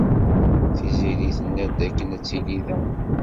Tiziri tenna-d dakken ad tili da.